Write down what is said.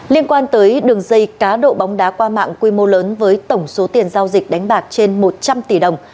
liên quan tới đường dây cá độ bóng đá qua mạng quy mô lớn với tổng số tiền giao dịch đánh bạc trên một trăm linh tỷ đồng